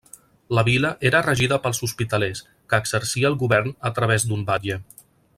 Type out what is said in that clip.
La vila era regida pels hospitalers, que exercia el govern a través d'un batlle.